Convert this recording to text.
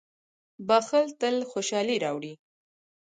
• بښل تل خوشالي راوړي.